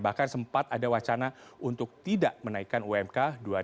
bahkan sempat ada wacana untuk tidak menaikkan umk dua ribu dua puluh